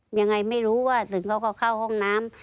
ยังไงไม่รู้ว่าถึงเขาก็เข้าห้องน้ำ